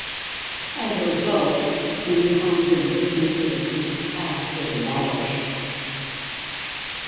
As a result, many homes and businesses in its path were demolished.